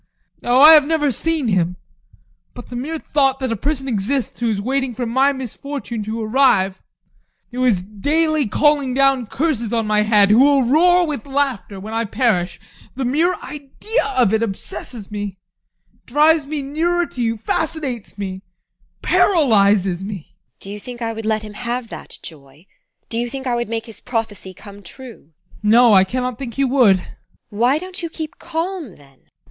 Oh, I have never seen him but the mere thought that a person exists who is waiting for my misfortune to arrive, who is daily calling down curses on my head, who will roar with laughter when I perish the mere idea of it obsesses me, drives me nearer to you, fascinates me, paralyses me! TEKLA. Do you think I would let him have that joy? Do you think I would make his prophecy come true? ADOLPH. No, I cannot think you would. TEKLA. Why don't you keep calm then?